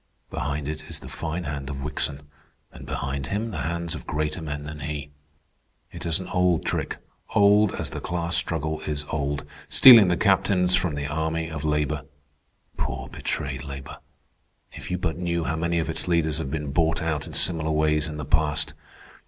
"Behind it is the fine hand of Wickson, and behind him the hands of greater men than he. It is an old trick, old as the class struggle is old—stealing the captains from the army of labor. Poor betrayed labor! If you but knew how many of its leaders have been bought out in similar ways in the past.